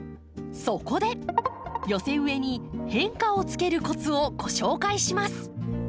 そこで寄せ植えに変化をつけるコツをご紹介します。